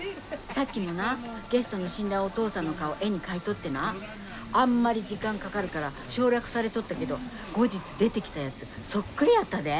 さっきもなゲストの死んだお父さんの顔絵に描いとってなあんまり時間かかるから省略されとったけど後日出てきたやつそっくりやったで！